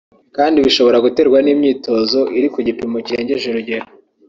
kandi bishobora guterwa n’imyitozo iri ku gipimo kirengeje urugero